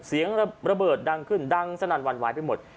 เสียงระเบิดดังขึ้นดังสนั่นวันไหวไปหมด